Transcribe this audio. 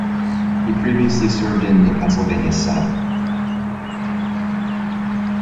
He previously served in the Pennsylvania Senate.